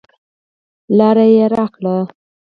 لاره یې راکړه.